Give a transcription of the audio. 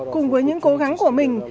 cùng với những cố gắng của mình